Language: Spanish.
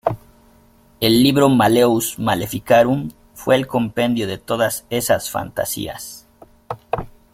El libro Malleus maleficarum fue el compendio de todas esas fantasías.